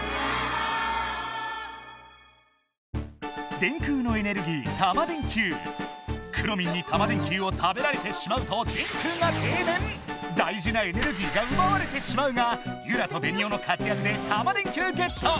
電空のエネルギーくろミンにタマ電Ｑを食べられてしまうと電空がてい電⁉大じなエネルギーがうばわれてしまうがユラとベニオの活やくでタマ電Ｑゲット！